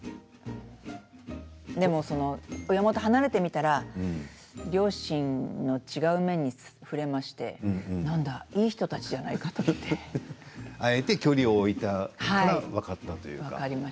でも親元を離れてみたら両親の違う面に触れましてなんだ、いい人たちじゃないかとあえて距離を置いたから分かったという。